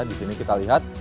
di sini kita lihat